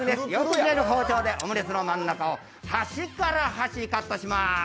よく切れる包丁で、オムレツの真ん中を端から端、カットします。